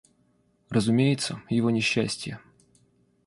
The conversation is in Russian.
Разумеется, его несчастье...